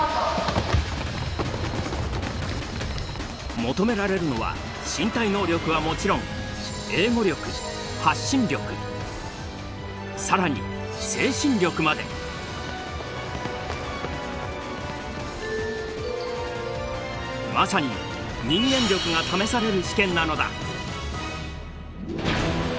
求められるのは身体能力はもちろん更にまさに「人間力」が試される試験なのだ。